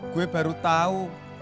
gue baru tau